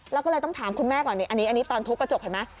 แล้วก็เลยต้องถามคุณแม่ก่อนอันนี้ตอนทุบกระจกเห็นไหม